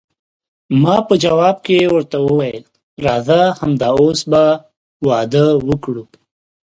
ما په جواب کې ورته وویل، راځه همد اوس به واده وکړو.